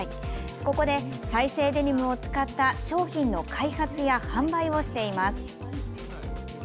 ここで、再生デニムを使った商品の開発や販売をしています。